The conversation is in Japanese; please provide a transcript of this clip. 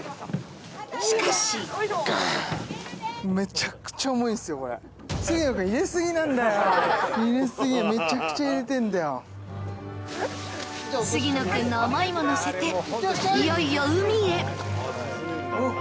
しかし杉野君の思いものせて、いよいよ海へ。